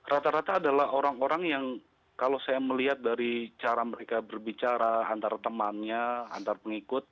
rata rata adalah orang orang yang kalau saya melihat dari cara mereka berbicara antar temannya antar pengikut